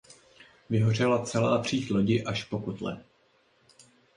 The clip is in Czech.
Vyhořela celá příď lodi až po kotle.